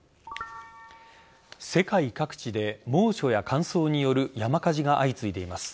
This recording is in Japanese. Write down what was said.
世界各地で猛暑や乾燥による山火事が相次いでいます。